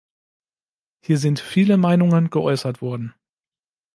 Hier sind viele Meinungen geäußert worden.